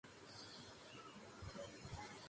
জ্বি-না sir, আমি রসিকতা করার চেষ্টা করছি না।